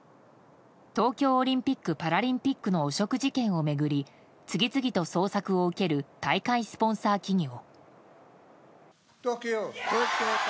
東京オリンピック・パラリンピックの汚職事件を巡り次々と捜索を受ける大会スポンサー企業。